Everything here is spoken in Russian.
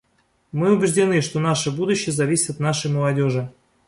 Мы убеждены, что наше будущее зависит от нашей молодежи.